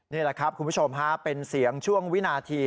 นี่แหละครับคุณผู้ชมฮะเป็นเสียงช่วงวินาที